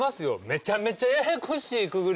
めちゃめちゃややこしいくぐり方あるよ。